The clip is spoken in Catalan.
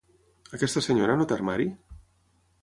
Aquesta senyora no té armari?